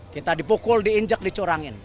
kita dipukul diinjak dicurangin